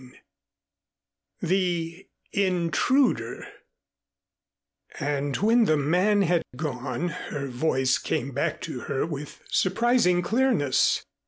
XX THE INTRUDER And when the man had gone her voice came back to her with surprising clearness.